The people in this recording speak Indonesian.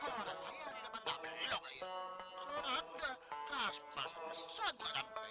kalau ada fire di depan tak belok ya kalau ada keras banget semisal gak sampai